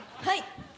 はい。